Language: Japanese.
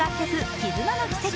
「絆ノ奇跡」。